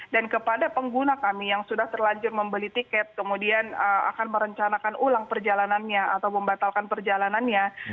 dan kepada pengguna kami yang sudah terlanjur membeli tiket kemudian akan merencanakan ulang perjalanannya atau membatalkan perjalanannya